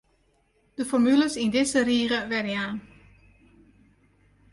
De formules yn dizze rige werjaan.